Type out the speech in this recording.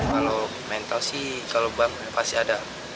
kalau mental sih kalau bank pasti ada